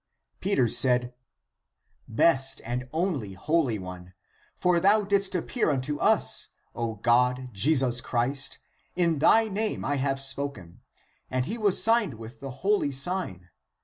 (Peter said) " Best and only Holy One, for thou didst appear unto us, O God Jesus Christ, in thy name I have spoken, and he was signed with thy holy sign.